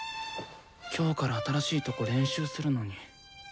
今日から新しいとこ練習するのに。